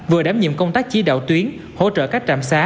vừa đảm nhiệm công tác chỉ đạo tuyến hỗ trợ các trạm xá